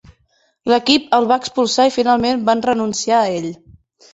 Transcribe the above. L'equip el va expulsar i finalment van renunciar a ell.